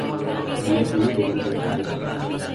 Dia pulih dengan sangat baik.